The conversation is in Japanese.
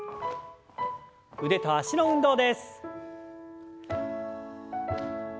腕と脚の運動です。